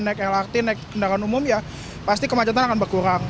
naik lrt naik kendaraan umum ya pasti kemacetan akan berkurang